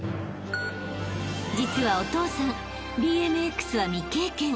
［実はお父さんＢＭＸは未経験］